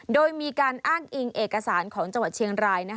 โดยมีการอ้างอิงเอกสารของจังหวัดเชียงราย